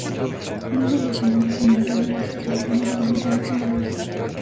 Vive en las llanuras en invierno y las estribaciones de las montañas en verano.